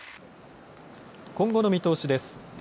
今後の見通しです。